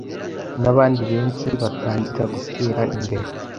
n’abandi benshi batangira gutera imbere